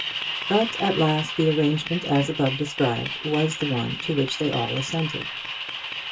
But at last the arrangement as above described was the one to which they all assented.